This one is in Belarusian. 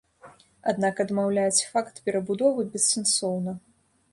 Аднак адмаўляць факт перабудовы бессэнсоўна.